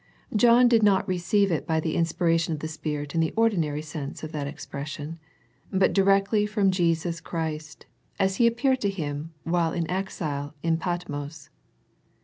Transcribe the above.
John did not receive it by the inspiration of the Spirit in the ordinary sense of that expression, | but directly from Jesus Christ, as He appeared to him while in exile in Patmos.